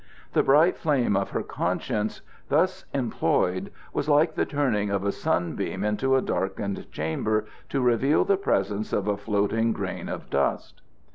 The bright flame of her conscience thus employed was like the turning of a sunbeam into a darkened chamber to reveal the presence of a floating grain of dust.